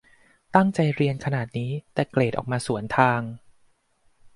ตั้งใจเรียนขนาดนี้ แต่เกรดออกมาสวนทาง